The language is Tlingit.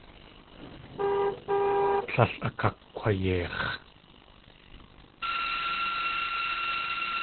Tlél akakg̲wayeix̲.